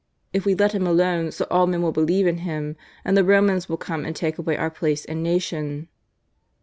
297 If we let Him alone so all men will believe in Him, and the Romans will come and take away our place and nation."